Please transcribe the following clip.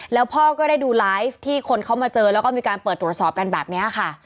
แล้วพ่อก็ได้ดูไลฟ์ที่คนเขามาเจอแล้วก็มีการเปิดตรวจสอบกันแบบนี้ค่ะ